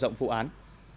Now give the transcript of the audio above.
mở rộng vụ án